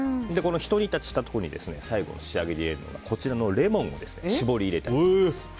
ひと煮立ちしたところに最後の仕上げで入れるのがこちらのレモンを搾り入れます。